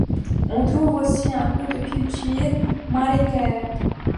On trouve aussi un peu de culture maraichère.